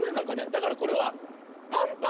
だからこれは「パンパン」。